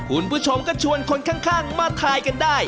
คุณผู้ชมก็ชวนคนข้างมาทายกันได้